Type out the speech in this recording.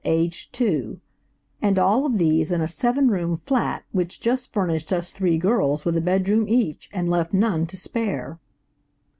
aged two; and all of these in a seven room flat which just furnished us three girls with a bedroom each and left none to spare.